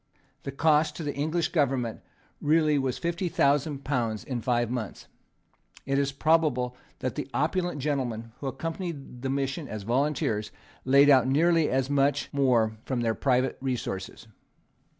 The cost to the English government really was fifty thousand pounds in five months. It is probable that the opulent gentlemen who accompanied the mission as volunteers laid out nearly as much more from their private resources.